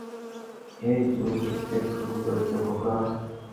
হেই, তুমি বুঝতে শুরু করেছো, খোকা।